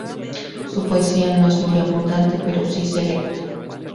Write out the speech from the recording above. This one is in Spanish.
Su poesía no es muy abundante, pero sí selecta.